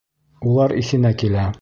Улар иҫенә килә.